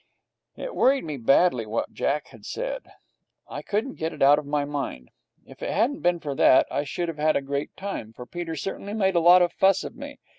It worried me badly what Jack had said. I couldn't get it out of my mind. If it hadn't been for that, I should have had a great time, for Peter certainly made a lot of fuss of me.